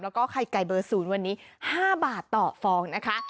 แล้วก็ไข่ไก่เบอร์๐วันนี้๕บาทต่อฟองนะคะ